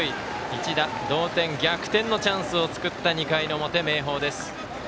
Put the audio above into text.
一打同点逆転のチャンスを作った２回の表、明豊です。